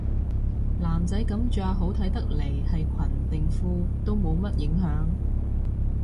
男仔噉着好睇得嚟係裙定褲都冇乜影響